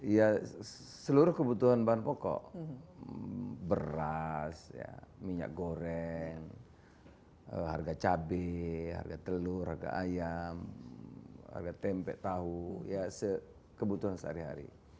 ya seluruh kebutuhan bahan pokok beras minyak goreng harga cabai harga telur harga ayam harga tempe tahu ya kebutuhan sehari hari